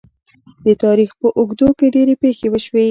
د تاریخ په اوږدو کې ډیرې پېښې وشوې.